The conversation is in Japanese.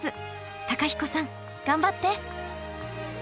公彦さん頑張って！